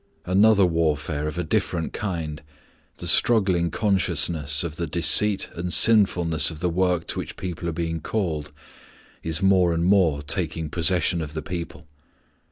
Another warfare of a different kind the struggling consciousness of the deceit and sinfulness of the work to which people are being called is more and more taking possession of the people.